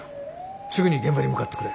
すぐに現場に向かってくれ。